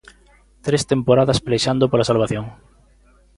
Tres temporadas pelexando pola salvación.